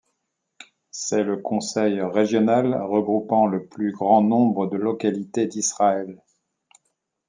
C'est le conseil régional regroupant le plus grand nombre de localités d'Israël.